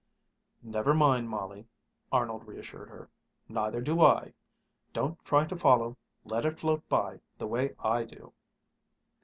"Never mind, Molly," Arnold reassured her. "Neither do I! Don't try to follow; let it float by, the way I do!"